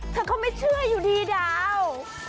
เธอก็ไม่เชื่ออยู่ดีดาว